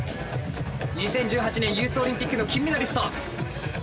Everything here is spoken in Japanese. ２０１８年ユースオリンピックの金メダリスト。